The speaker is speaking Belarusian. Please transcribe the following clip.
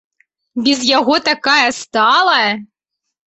Без яго такая стала!